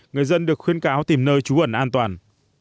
người dân được khuyên cáo tìm nơi trú ẩn an toàn